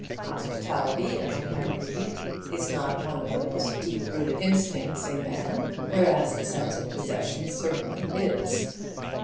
Hospitality, as we have agreed, is not one of the most deep rooted instincts in man, whereas the sense of possession certainly is.